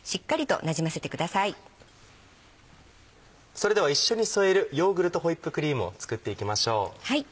それでは一緒に添えるヨーグルトホイップクリームを作っていきましょう。